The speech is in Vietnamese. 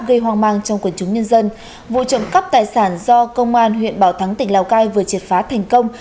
gây hoang mang trong quần chúng nhân dân vụ trộm cắp tài sản do công an huyện bảo thắng tỉnh lào cai vừa triệt phá thành công